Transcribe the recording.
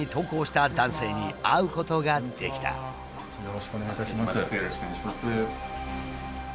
よろしくお願いします。